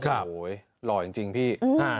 โอ้โหหล่อจริงพี่